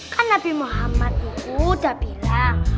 kan nabi muhammad dulu udah bilang